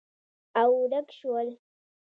او، ورک شول